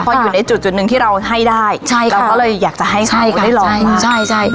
พออยู่ในจุดจุดหนึ่งที่เราให้ได้ใช่เราก็เลยอยากจะให้เขาได้ลองมากใช่ใช่